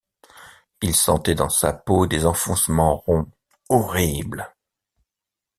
Il sentait dans sa peau des enfoncements ronds, horribles.